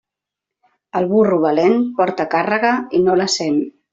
El burro valent porta càrrega i no la sent.